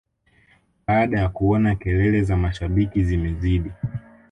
baada ya kuona kelele za mashabiki zimezidi